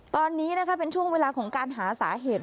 ตอนนี้นะคะเป็นช่วงเวลาของการหาสาเหตุ